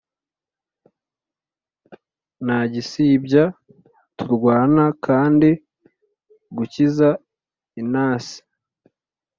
ntagisibya turwana kandi gukiza intasi